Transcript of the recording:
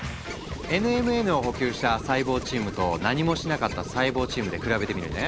ＮＭＮを補給した細胞チームと何もしなかった細胞チームで比べてみるね。